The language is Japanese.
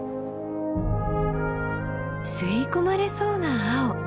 吸い込まれそうな青！